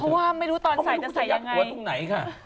เพราะว่าไม่รู้ตอนใส่จะใส่อย่างไร